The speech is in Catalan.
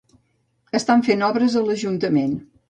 Estan fent obres a l'ajuntament